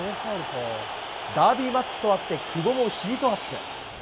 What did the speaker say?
ダービーマッチとあって、久保もヒートアップ。